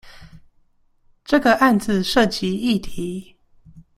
這個案子涉及議題